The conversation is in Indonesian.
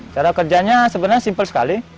cara kerjanya sebenarnya simpel sekali